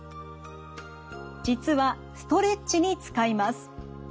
実はストレッチに使います。